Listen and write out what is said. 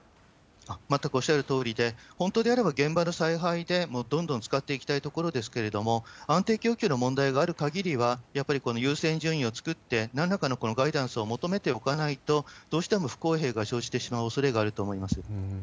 全くおっしゃるとおりで、本当であれば現場の采配でもうどんどん使っていきたいところですけれども、安定供給の問題があるかぎりは、やっぱりこの優先順位を作って、なんらかのガイダンスを求めておかないと、どうしても不公平が生じてしまうおそれがあると思います。